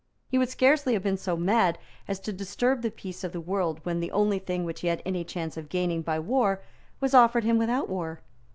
He would scarcely have been so mad as to disturb the peace of the world when the only thing which he had any chance of gaining by war was offered him without war.